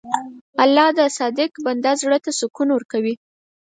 الله د صادق بنده زړه ته سکون ورکوي.